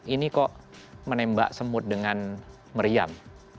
ini kok menembak semut dengan meriam